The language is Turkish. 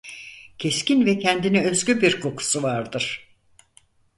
Keskin ve kendine özgü bir kokusu vardır.